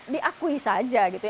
diakui saja gitu